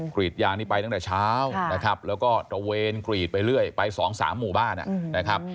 กรีดยางนี้ไปตั้งแต่เช้านะครับแล้วก็ตระเวนกรีดไปเรื่อยไป๒๓หมู่บ้านนะครับ